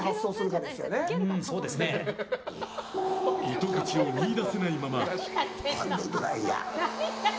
糸口を見いだせないまま。